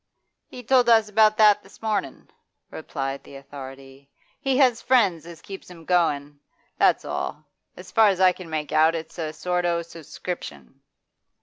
'He told us all about that this mornin',' replied the authority. 'He has friends as keeps him goin', that's all. As far as I can make out it's a sort o' subscription.